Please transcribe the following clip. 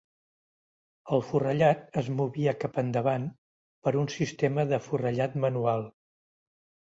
El forrellat es movia cap endavant per un sistema de forrellat manual.